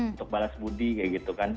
untuk balas budi kayak gitu kan